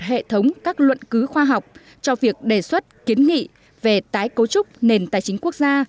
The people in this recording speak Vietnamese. hệ thống các luận cứu khoa học cho việc đề xuất kiến nghị về tái cấu trúc nền tài chính quốc gia